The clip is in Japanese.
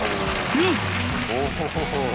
よし！